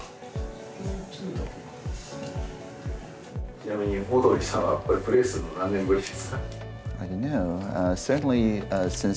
ちなみにオードリーさんはこれプレーするのは何年ぶりですか？